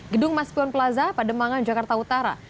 gedung mas pion plaza pademangan jakarta utara